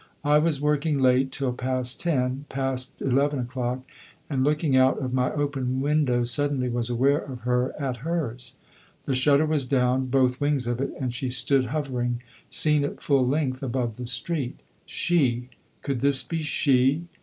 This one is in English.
I was working late, till past ten, past eleven o'clock, and looking out of my open window suddenly was aware of her at hers. The shutter was down, both wings of it, and she stood hovering, seen at full length, above the street. She! Could this be she?